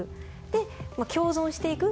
で共存していく。